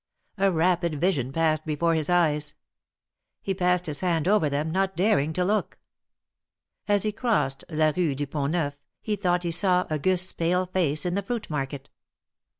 A rapid vision passed before his eyes. He passed his THE MARKETS OF PARIS. 287 hand over them, not daring to look. As he crossed la Eue du Pont Neuf, he thought he saw Auguste's pale face in the fruit market.